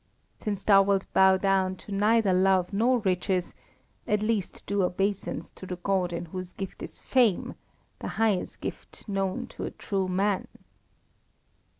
"Since thou wilt bow down to neither Love nor Riches, at least do obeisance to the god in whose gift is Fame, the highest gift known to a true man."